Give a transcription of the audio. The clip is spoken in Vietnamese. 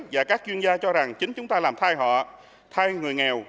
và các chuyên gia cho rằng chính chúng ta làm thai họ thay người nghèo